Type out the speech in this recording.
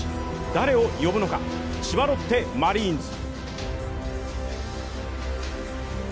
誰を呼ぶのか、千葉ロッテマリーンズ。